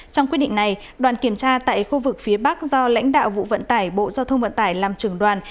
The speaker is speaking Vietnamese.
trong quyết định này đoàn kiểm tra tại khu vực phía bắc do lãnh đạo vụ vận tải bộ giao thông vận tải làm trưởng đoàn